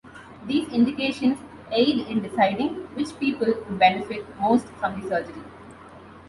These indications aid in deciding which people would benefit most from surgery.